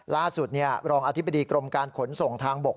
ล่าสุดรองอธิบดีกรมการขนส่งทางบก